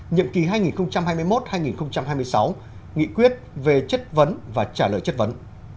nhiệm kỳ hai nghìn hai mươi một hai nghìn hai mươi sáu nghị quyết về chất vấn và trả lời chất vấn